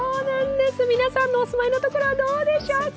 皆さんのお住まいのところはどうでしょうか？